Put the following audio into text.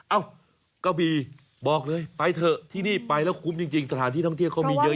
เอ้ากระบี่บอกเลยไปเถอะที่นี่ไปแล้วคุ้มจริงสถานที่ท่องเที่ยวเขามีเยอะ